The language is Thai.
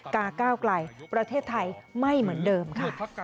ก้าวไกลประเทศไทยไม่เหมือนเดิมค่ะ